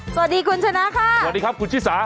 สวัสดีคุณชนะค่ะสวัสดีครับคุณชิสา